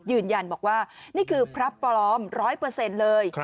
ยืนยันบอกว่านี่คือพระปลอมร้อยเปอร์เซ็นต์เลย